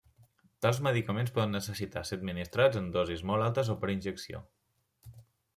Tals medicaments poden necessitar ser administrats en dosis molt altes o per injecció.